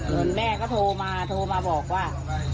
โดยแม่เขาโทรมาโทรมาบอกว่า